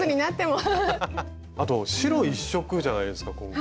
あと白１色じゃないですか今回。